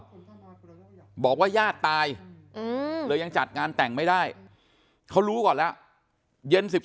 บอกว่าญาติตายเลยยังจัดงานแต่งไม่ได้เขารู้ก่อนแล้วเย็น๑๓